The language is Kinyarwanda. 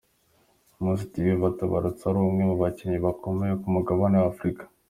Mouss Diouf atabarutse ari umwe mu bakinnyi bakomeye ku mugabane w’Africa.